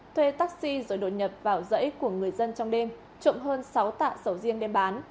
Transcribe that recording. thuê taxi rồi đột nhập vào dãy của người dân trong đêm trộm hơn sáu tạ sầu riêng đem bán